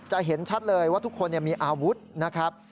เห็นชัดเลยว่าทุกคนมีอาวุธนะครับ